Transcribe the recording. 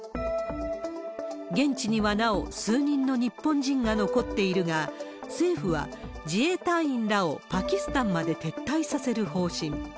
現地にはなお数人の日本人が残っているが、政府は自衛隊員らをパキスタンまで撤退させる方針。